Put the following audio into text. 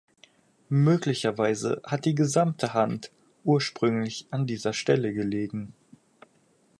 Möglicherweise hat die gesamte Hand ursprünglich an dieser Stelle gelegen.